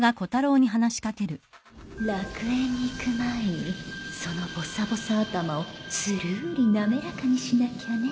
楽園に行く前にそのボサボサ頭をつるーり滑らかにしなきゃね。